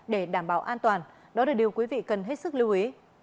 để đảm bảo an toàn đó là điều quý vị cần hết sức lưu ý